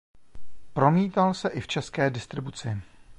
Promítal se i v české distribuci.